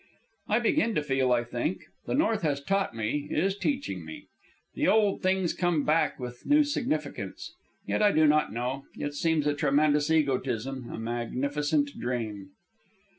"I begin to feel, I think. The north has taught me, is teaching me. The old thing's come back with new significance. Yet I do not know. It seems a tremendous egotism, a magnificent dream."